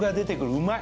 うまい！